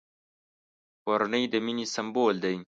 کورنۍ د مینې سمبول دی!